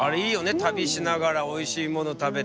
旅しながらおいしいもの食べて。